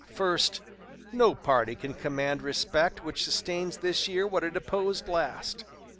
First, no party can command respect which sustains this year what it opposed last.